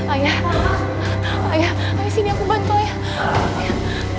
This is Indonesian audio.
ayah ayah ayah sini aku bantu ayah